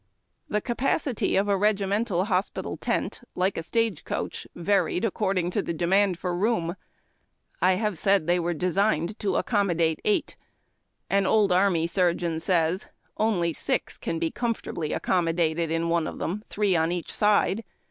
The capacity of a regimental hospital tent, like a stage coach, varied according to the demand for room. I have said they were designed to accommodate eight. An old army surgeon says, "• Only six can be comfortably accommodated in one of them, three on each side."